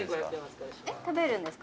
えっ食べるんですか？